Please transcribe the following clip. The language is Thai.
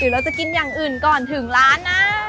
เราจะกินอย่างอื่นก่อนถึงร้านนะ